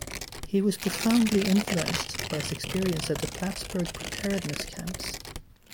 He was profoundly influenced by his experience at the Plattsburg Preparedness camps.